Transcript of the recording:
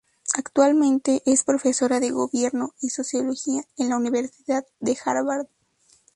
Actualmente es profesora de Gobierno y Sociología en la Universidad de Harvard.